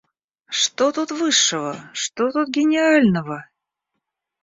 Что тут высшего, что тут гениального?